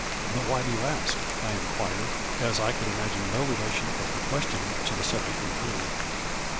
But, why do you ask ?" I inquired, as I could imagine no relation of her question to the sub ject in hand.